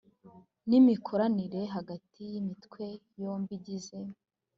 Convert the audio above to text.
n imikoranire hagati y imitwe yombi igize